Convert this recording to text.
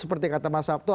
seperti kata mas sabto